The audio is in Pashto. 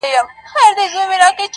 د پاچا په انتخاب کي سر ګردان وه٫